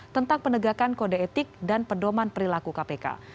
tentang penegakan kode etik dan pedoman perilaku kpk